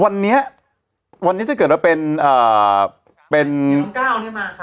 วันนี้วันนี้จะเกิดว่าเป็นอ่าเป็นนี่น้องก้าวเนี่ยมาค่ะ